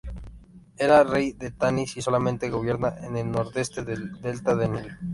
Era rey de Tanis y solamente gobierna en el nordeste del delta del Nilo.